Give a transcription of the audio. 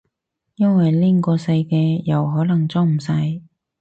因為拎個細嘅又可能裝唔晒